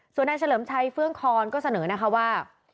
ส่วนนายเฉลิมชัยเฟื่องคอนก็เสนอนะคะว่า